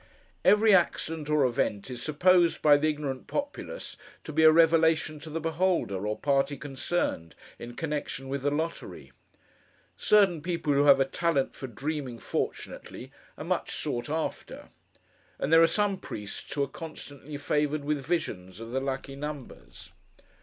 Every accident or event, is supposed, by the ignorant populace, to be a revelation to the beholder, or party concerned, in connection with the lottery. Certain people who have a talent for dreaming fortunately, are much sought after; and there are some priests who are constantly favoured with visions of the lucky numbers.